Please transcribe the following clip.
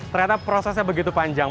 ternyata prosesnya begitu panjang